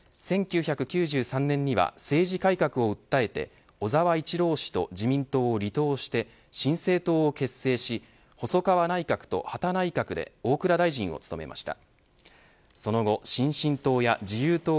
１９９３年には政治改革を訴えて小沢一郎氏と自民党を離党して新生党を結成し細川内閣と羽田内閣で大蔵大臣を務めました。